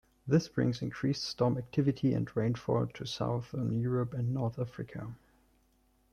This brings increased storm activity and rainfall to southern Europe and North Africa.